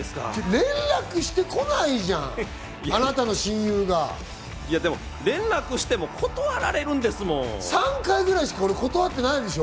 連絡してこないじゃん、連絡しても断られるんですも３回くらいしか断ってないでしょ。